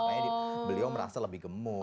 makanya beliau merasa lebih gemuk